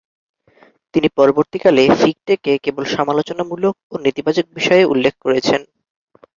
তিনি পরবর্তীকালে ফিকটেকে কেবল সমালোচনামূলক ও নেতিবাচক বিষয়ে উল্লেখ করেছেন।